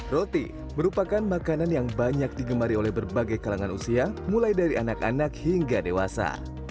roti merupakan makanan yang banyak digemari oleh berbagai kalangan usia mulai dari anak anak hingga dewasa